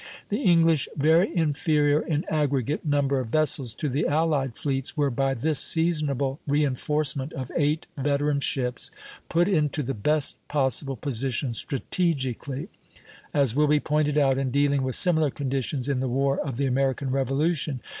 The English, very inferior in aggregate number of vessels to the allied fleets, were by this seasonable reinforcement of eight veteran ships put into the best possible position strategically, as will be pointed out in dealing with similar conditions in the war of the American Revolution.